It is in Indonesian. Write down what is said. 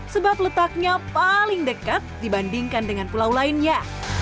sebab letaknya paling dekat dibandingkan dengan pulau lainnya